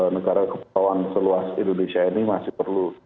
negara kepulauan seluas indonesia ini masih perlu